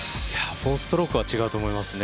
４ストロークは違うと思いますね。